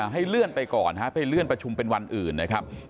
ให้เลื่อนไปก่อนไปเลื่อนประชุมเป็นวันอื่นนะครับ